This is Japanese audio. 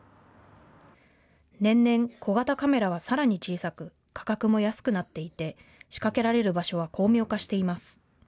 年々、小型カメラはさらに小さく価格も安くなっていて仕掛けられる場所は巧妙化しています。